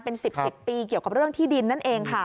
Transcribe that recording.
เป็น๑๐๑๐ปีเกี่ยวกับเรื่องที่ดินนั่นเองค่ะ